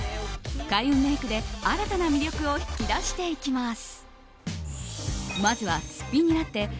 開運メイクで新たな魅力を引き出していきます。